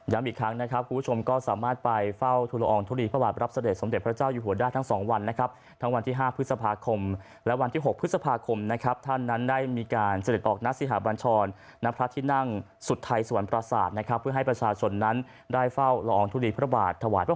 อีกครั้งนะครับคุณผู้ชมก็สามารถไปเฝ้าทุลอองทุลีพระบาทรับเสด็จสมเด็จพระเจ้าอยู่หัวได้ทั้งสองวันนะครับทั้งวันที่๕พฤษภาคมและวันที่๖พฤษภาคมนะครับท่านนั้นได้มีการเสด็จออกนักสิหาบัญชรณพระที่นั่งสุทัยสวรรค์ประสาทนะครับเพื่อให้ประชาชนนั้นได้เฝ้าละอองทุลีพระบาทถวาย